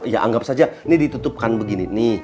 ya anggap saja ini ditutupkan begini